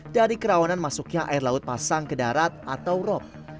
dari kerawanan masuknya air laut pasang ke darat atau rop